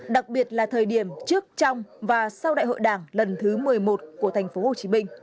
đặc biệt là thời điểm trước trong và sau đại hội đảng lần thứ một mươi một của tp hcm